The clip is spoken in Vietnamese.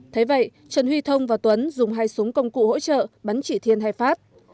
thế vậy trần huy thông và tuấn dùng hai súng công cụ hỗ trợ bắn chỉ thiên hay phát